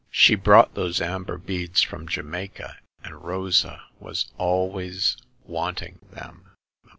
She brought those amber beads from Jamaica, and Rosa was always want ing them."